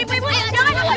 ibu ibu jangan jangan jangan